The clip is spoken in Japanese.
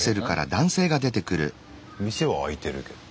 店は開いてるけど。